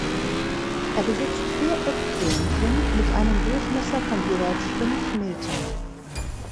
Er besitzt vier Ecktürmchen mit einem Durchmesser von jeweils fünf Metern.